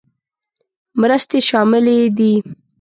مرستې شاملې دي.